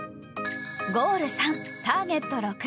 ゴール３、ターゲット６。